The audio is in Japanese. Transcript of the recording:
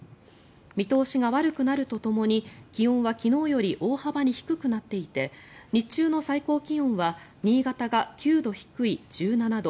見通しが悪くなるとともに気温は昨日より大幅に低くなっていて日中の最高気温は新潟が９度低い１７度。